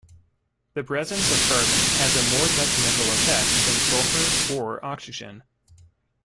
The presence of carbon has a more detrimental effect than sulfur or oxygen.